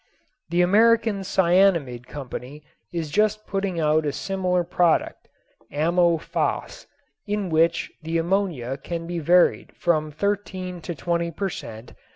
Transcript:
The American Cyanamid Company is just putting out a similar product, "Ammo Phos," in which the ammonia can be varied from thirteen to twenty per cent.